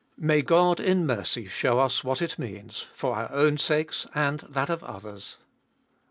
May God in mercy show us what it means, for our own sakes and that of others.